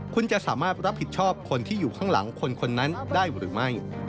คุณจะสามารถรับผิดชอบคนที่อยู่ข้างหลังคนนั้นได้หรือไม่